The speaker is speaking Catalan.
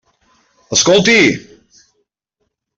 Escolti!